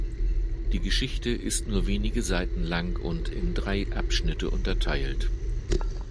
Die Geschichte ist nur wenige Seiten lang und in drei Abschnitte unterteilt.